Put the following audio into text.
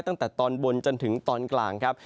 ตั้งแต่ตอนบนจนถึงตอนกลางครับ